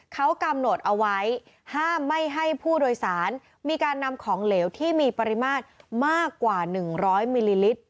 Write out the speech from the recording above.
เขากำหนดเอาไว้ห้ามไม่ให้ผู้โดยสารมีการนำของเหลวที่มีปริมาตรมากกว่า๑๐๐มิลลิลิตร